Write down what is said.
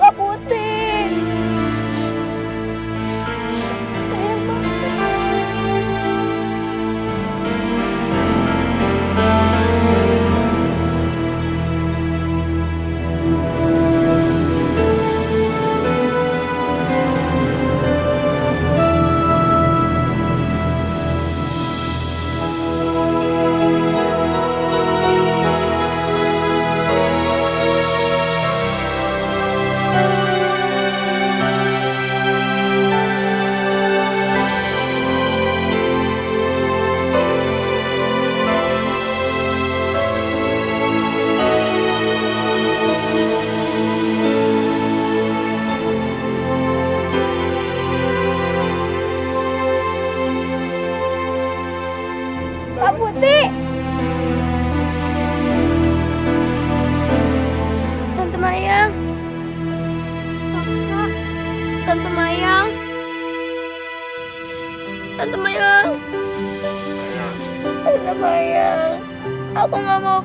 aku harus temuin tante maya